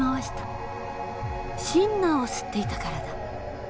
シンナーを吸っていたからだ。